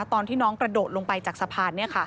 ตอนที่น้องกระโดดลงไปจากสะพาน